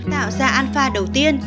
tạo ra alpha đầu tiên